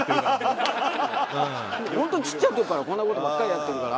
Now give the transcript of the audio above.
本当ちっちゃい時からこんな事ばっかりやってるから。